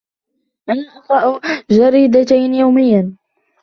أنا أقرأ جريدتين يومياً.